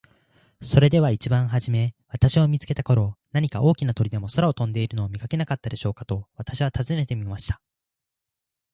「それでは一番はじめ私を見つけた頃、何か大きな鳥でも空を飛んでいるのを見かけなかったでしょうか。」と私は尋ねてみました。